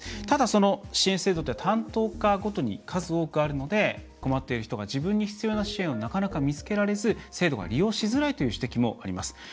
ただ、その支援制度というのは担当課ごとに数多くあるので困っている人が自分に必要な支援をなかなか見つけられず制度が利用しづらいという指摘もあります。